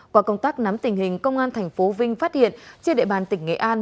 qua công tác nắm tình hình công an tp hcm phát hiện trên đệ bàn tỉnh nghệ an